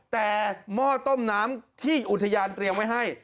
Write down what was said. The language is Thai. แต่หม้อต้มน้ำที่อุทยานเตรียมไว้ให้